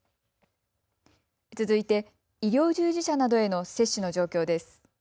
続いて医療従事者などへの接種の状況です。